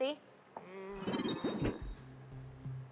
อืม